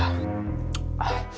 kamu kasian kenapa